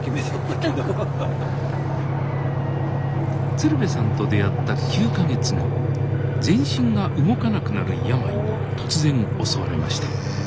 鶴瓶さんと出会った９か月後全身が動かなくなる病に突然襲われました。